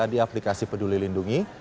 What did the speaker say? di aplikasi peduli lindungi